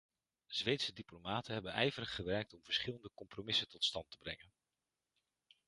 Zweedse diplomaten hebben ijverig gewerkt om verschillende compromissen tot stand te brengen.